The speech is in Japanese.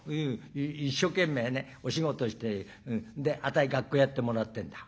一生懸命ねお仕事してであたい学校やってもらってんだ」。